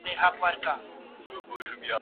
چي مېږي ته خدای په قار سي وزر ورکړي.